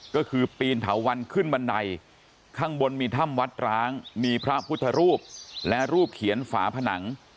ก็คือปีนเถาวันขึ้นบันไดข้างบนมีถ้ำวัดร้างมีพระพุทธรูปและรูปเขียนฝาผนัง